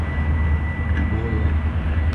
Бы